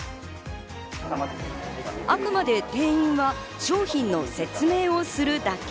あくまで店員は商品の説明をするだけ。